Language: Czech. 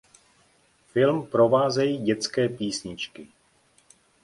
Film provázejí dětské písničky.